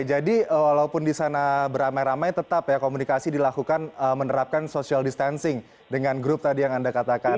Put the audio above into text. jadi walaupun di sana beramai ramai tetap ya komunikasi dilakukan menerapkan social distancing dengan grup tadi yang anda katakan